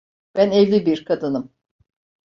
Ben evli bir kadınım.